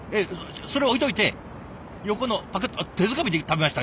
それ置いといて横のパクッ手づかみで食べました？